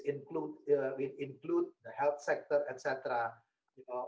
yang mengenai sektor kesehatan